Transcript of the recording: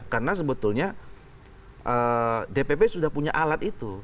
karena sebetulnya dpp sudah punya alat itu